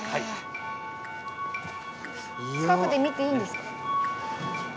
近くで見ていいんですか？